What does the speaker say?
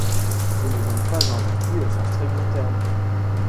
Ce n'est donc pas un vin cuit au sens strict du terme.